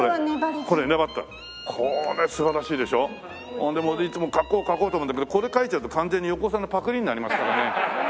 ほんでもういつも描こう描こうと思うんだけどこれ描いちゃうと完全に横尾さんのパクりになりますからね。